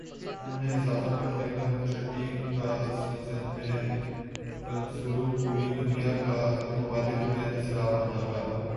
انہوں نے اضافہ کرنا کہ چھٹی کا سیزن میں کنسول پوری دنیا کا ممالک میں دستیاب ہونا گانا